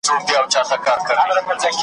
چي ړندې کي غبرګي سترګي د اغیارو .